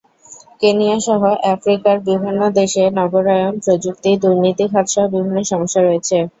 কেনিয়াসহ আফ্রিকার বিভিন্ন দেশে নগরায়ণ, প্রযুক্তি, দুর্নীতি খাতসহ বিভিন্ন সমস্যা রয়েছে।